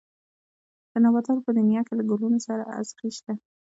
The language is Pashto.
د نباتاتو په دنيا کې له ګلونو سره ازغي شته.